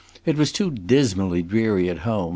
It was too dismally dreary at home.